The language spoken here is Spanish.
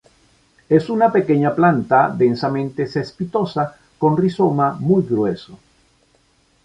Es una pequeña planta densamente cespitosa, con rizoma muy grueso.